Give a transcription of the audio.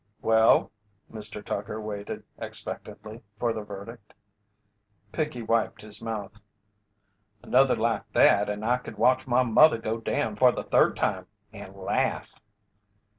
"Well?" Mr. Tucker waited expectantly for the verdict. Pinkey wiped his mouth. "Another like that and I could watch my mother go down for the third time and laugh!"